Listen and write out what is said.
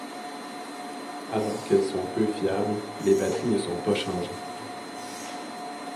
Alors qu'elles sont peu fiables, les batteries ne sont pas changées.